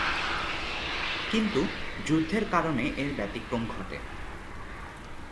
কিন্তু যুদ্ধের কারণে এর ব্যতিক্রম ঘটে।